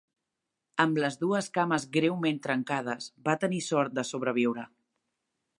Amb les dues cames greument trencades va tenir sort de sobreviure.